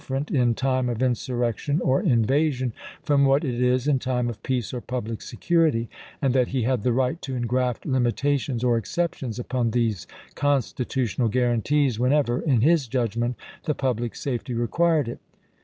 ferent in time of insurrection or invasion from what it is in time of peace or public security, and that he had the right to engraft limitations or excep tions upon these constitutional guarantees when ever, in his judgment, the public safety required it.